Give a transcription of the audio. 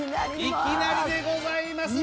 いきなりでございます